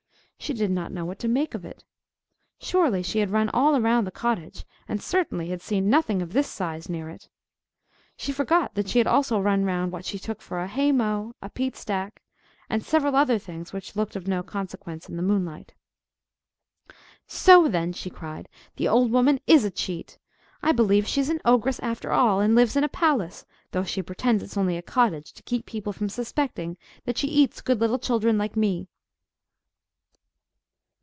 She did not know what to make of it. Surely she had run all round the cottage, and certainly had seen nothing of this size near it! She forgot that she had also run round what she took for a hay mow, a peat stack, and several other things which looked of no consequence in the moonlight. "So, then," she cried, "the old woman is a cheat! I believe she's an ogress, after all, and lives in a palace—though she pretends it's only a cottage, to keep people from suspecting that she eats good little children like me!"